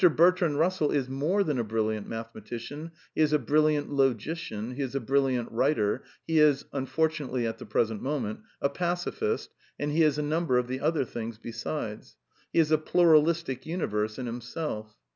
Bertrand Bussell is more than a brilliant mathematician, he is a brilliant logician, he is a brilliant writer, he is (unfortunately at the present moment), a pacifist, and he is a number of other things besides. He is a pluralistic imiverse in himself.